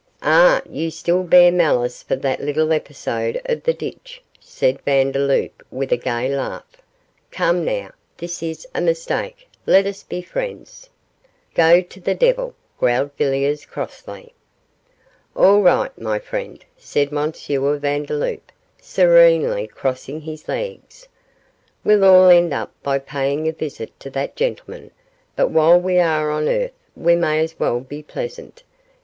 'Ah, you still bear malice for that little episode of the ditch,' said Vandeloup with a gay laugh. 'Come, now, this is a mistake; let us be friends.' 'Go to the devil!' growled Villiers, crossly. 'All right, my friend,' said M. Vandeloup, serenely crossing his legs. 'We'll all end up by paying a visit to that gentleman, but while we are on earth we may as well be pleasant.